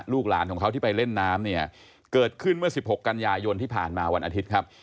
ลูกหลานของเขาที่ไปเล่นน้ำเนี่ยเกิดขึ้นเมื่อ๑๖กันยายนที่ผ่านมาวันอาทิตย์ครับ